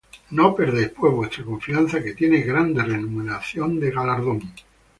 No perdáis pues vuestra confianza, que tiene grande remuneración de galardón: